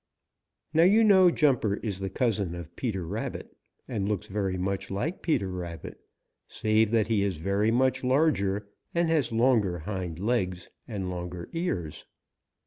Now you know Jumper is the cousin of Peter Rabbit and looks very much like Peter, save that he is very much larger and has longer hind legs and longer ears.